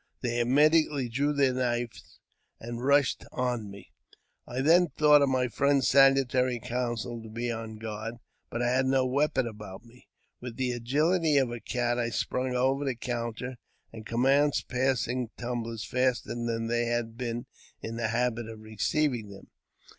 They immediately drew their knives and rushed on me. I then thought of my friend's salutary counsel to be on my guard, but I had no weapon about me. With the agiUty of a cat I sprung over the counter, and commenced passing tumblers faster than they had been in the habit of receiving them.